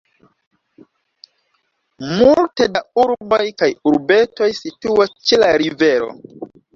Multe da urboj kaj urbetoj situas ĉe la rivero.